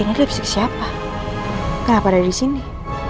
ini lipstick siapa kenapa ada di sini